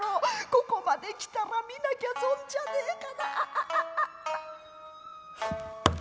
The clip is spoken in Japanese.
ここまで来たら見なきゃ損じゃねえかああ。